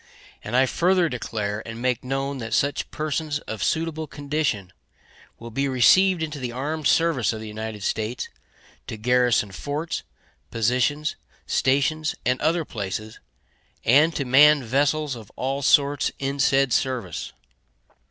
And I further declare and make known that such persons of suitable condition will be received into the armed service of the United States to garrison forts, positions, stations, and other places, and to man vessels of all sorts in said service.